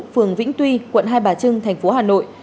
phường vĩnh tuy quận hai bà trưng thành phố hà nội